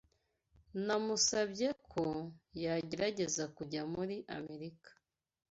Namusabye ko yagerageza kujya muri Amerika.